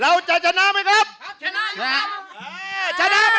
เราจะชนะไหมครับ